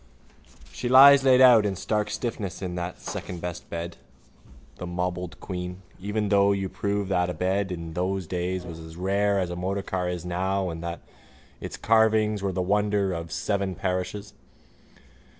—She lies laid out in stark stiffness in that secondbest bed, the mobled queen, even though you prove that a bed in those days was as rare as a motorcar is now and that its carvings were the wonder of seven parishes.